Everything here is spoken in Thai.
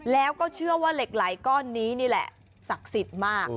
แล้วก็เชื่อว่าเหล็กไหลก้อนนี้นี่แหละศักดิ์สิทธิ์มาก